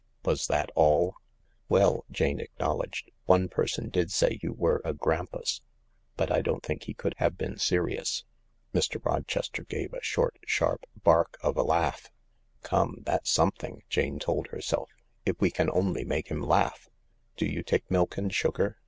" Was that all ?" "Well," Jane acknowledged, "one person did say you wefe a grampus, but I don't think he could have been serious." Mr, Rochester gave a short, sharp bark of a laugh. 120 THE LARK ("Come, that's something!" Jane told herself. "If we can only make him laugh 1 ")" Do you take milk and sugar